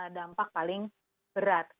dampak paling berat